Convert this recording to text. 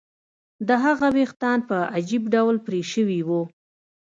د هغه ویښتان په عجیب ډول پرې شوي وو